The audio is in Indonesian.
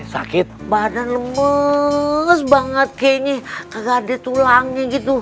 sakit badan lemes banget kayaknya